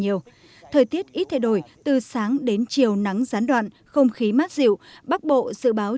nhiều thời tiết ít thay đổi từ sáng đến chiều nắng gián đoạn không khí mát dịu bắc bộ dự báo